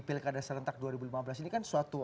pilkada serentak dua ribu lima belas ini kan suatu